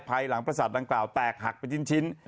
ไพรหลังปราสาทดังกล่าวแตกหักไปชิ้น